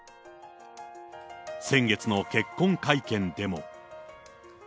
先月の結婚会見でも。